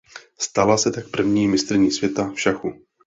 Stala se tak první mistryní světa v šachu.